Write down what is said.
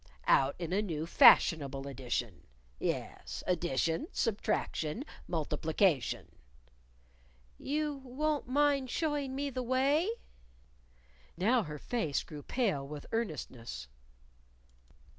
"Out in a new fashionable addition yes, addition, subtraction, multiplication." "You won't mind showing me the way?" Now her face grew pale with earnestness.